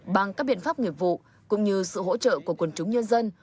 bằng các biện pháp nghiệp vụ cũng như sự hỗ trợ của quần chúng nhân dân